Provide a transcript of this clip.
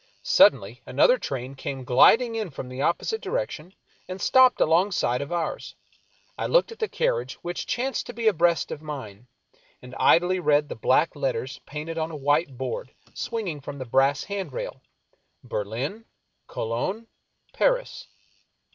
Suddenly another train came gliding in from the opposite direction, and stopped alongside of ours. I looked at the carriage which chanced to be abreast of mine, and idly read the black letters painted on a white board swinging from the brass handrail: Berlin — Cologne — Paris.